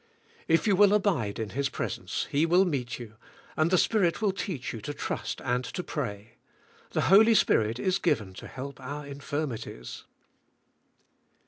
If you will abide in His presence He will meet you, and the Spirit will teach you to trust and to pray. The Holy Spirit is given to help our infirmities."